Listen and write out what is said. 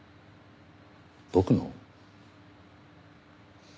僕の？